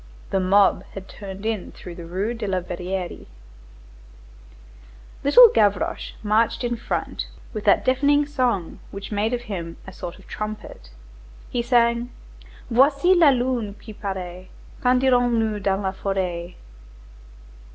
The mob had turned in through the Rue de la Verrerie. Little Gavroche marched in front with that deafening song which made of him a sort of trumpet. He sang: "Voici la lune qui paraît, Quand irons nous dans la forêt?